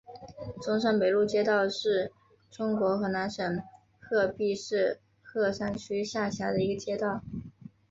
中山北路街道是中国河南省鹤壁市鹤山区下辖的一个街道。